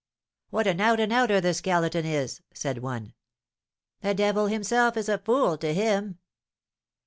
"What an out and outer the Skeleton is!" said one. "The devil himself is a fool to him!"